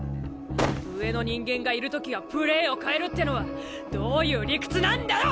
上の人間がいる時はプレーを変えるってのはどういう理屈なんだよ！